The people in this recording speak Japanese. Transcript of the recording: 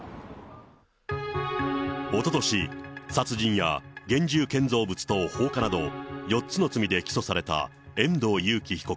おととし、殺人や現住建造物等放火など、４つの罪で起訴された遠藤裕喜被告